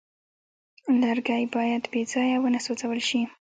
لرګی باید بېځایه ونه سوځول شي.